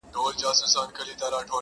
په هرځای کي چي مي کړې آشیانه ده!!